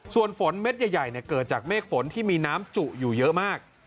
ส่วนฝนเม็ดใหญ่เกิดจากเมฆฝนที่มีน้ำจุอยู่เยอะมาก